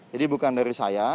jadi bukan dari saya